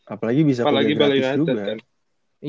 apalagi bisa pakai gratis juga